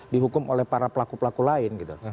dihukum oleh para pelaku pelaku lain gitu